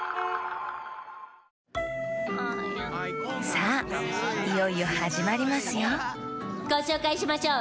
さあいよいよはじまりますよごしょうかいしましょう。